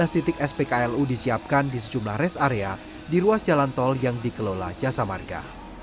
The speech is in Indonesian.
tiga belas titik spklu disiapkan di sejumlah res area di ruas jalan tol yang dikelola jasa marga